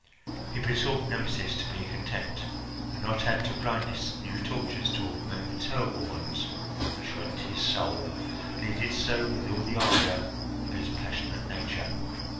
He besought Nemesis to be content, and not add to blindness new tortures to augment the terrible ones which rent his soul, and he did so with all the ardour of his passionate nature.